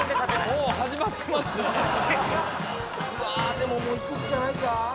でももういくっきゃないか？